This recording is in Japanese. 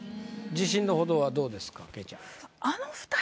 自信の程はどうですか？